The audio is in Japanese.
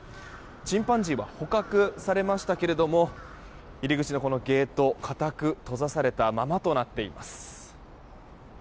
チンパンジーは捕獲されましたけれども入り口のゲート、固く閉ざされたままとなっています。